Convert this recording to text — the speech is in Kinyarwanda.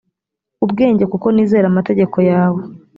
ubwenge kuko nizera amategeko yawe